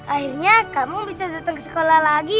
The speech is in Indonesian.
akhirnya kamu bisa datang ke sekolah lagi